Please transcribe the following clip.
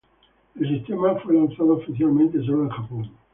El sistema fue lanzado oficialmente solo en Japón.